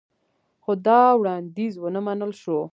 خو دا وړاندیز ونه منل شو